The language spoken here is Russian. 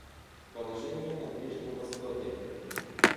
Положение на Ближнем Востоке.